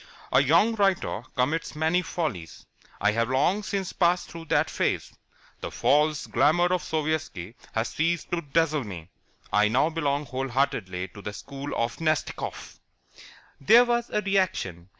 A young writer commits many follies. I have long since passed through that phase. The false glamour of Sovietski has ceased to dazzle me. I now belong whole heartedly to the school of Nastikoff." There was a reaction.